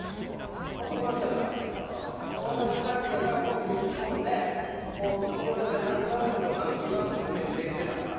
友達関係がコンビ組むことで友達じゃなくなるってこと何となくイメージできてたから。